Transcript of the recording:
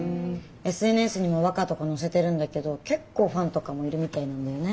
ＳＮＳにも和歌とか載せてるんだけど結構ファンとかもいるみたいなんだよね。